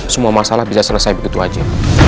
semua masalah bisa selesai begitu aja